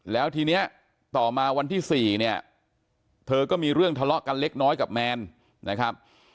แล้วทีนี้ต่อมาวันที่๔เนี่ยเธอก็มีเรื่องทะเลาะกันเล็กน้อยกับแมนนะครับ